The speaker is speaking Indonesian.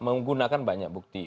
menggunakan banyak bukti